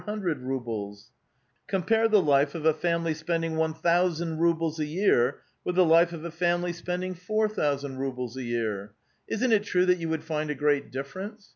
400 rubles "Compare the life of a family spending 1,000 rubles a year with the life of a family spending 4,000 rubles a year. Isn't it true that you would find a great difference